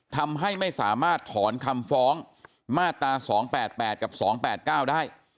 ทำให้ไม่สามารถถอนคำฟ้องมาตรา๒๘๘กับ๒๘๙ได้